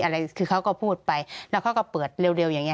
อะไรคือเขาก็พูดไปแล้วเขาก็เปิดเร็วอย่างนี้